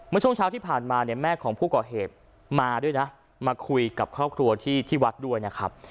ช่วงเช้าที่ผ่านมาเนี่ยแม่ของผู้ก่อเหตุมาด้วยนะมาคุยกับครอบครัวที่วัดด้วยนะครับ